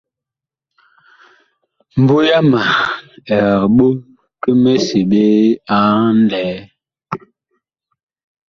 Mbu yama ɛg ɓoh ki miseɓe a nlɛɛ.